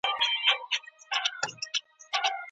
که د کثافاتو موټرې نوي سي، نو په لاره کي نه خرابیږي.